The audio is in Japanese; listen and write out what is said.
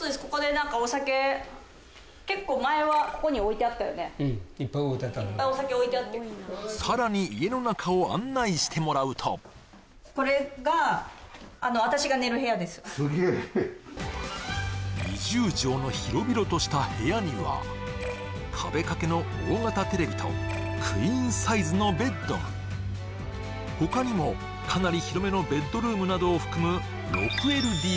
うんいっぱい置いてあったいっぱいお酒置いてあってさらに家の中を案内してもらうとこれがすげえ２０畳の広々とした部屋には壁掛けの大型テレビとクイーンサイズのベッドが他にもかなり広めのベッドルームなどを含む